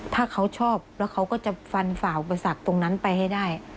ถ้าเขาชอบแล้วเขาก็จะฟันฝ่าอุปสรรคตรงนั้นไปให้ได้